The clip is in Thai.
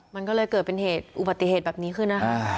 มันก็เลยเกิดเป็นเหตุอุบัติเหตุแบบนี้ขึ้นนะคะ